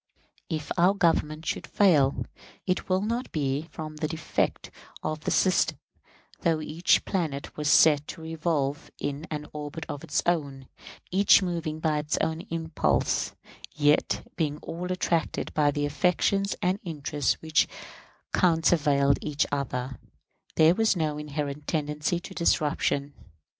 If our Government should fail, it will not be from the defect of the system, though each planet was set to revolve in an orbit of its own, each moving by its own impulse, yet being all attracted by the affections and interests which countervailed each other; there was no inherent tendency to disruption.